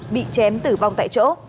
bị chém tử vong tại chỗ